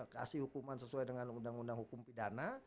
kasih hukuman sesuai dengan undang undang hukum pidana